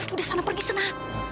udah sana pergi sana